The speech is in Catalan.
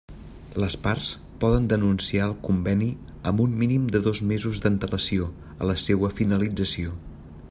Les parts poden denunciar el Conveni amb un mínim de dos mesos d'antelació a la seua finalització.